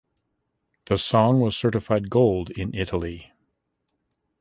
The song was certified gold in Italy.